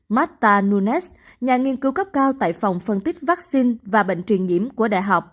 marta nunets nhà nghiên cứu cấp cao tại phòng phân tích vaccine và bệnh truyền nhiễm của đại học